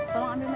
kapan ya kapan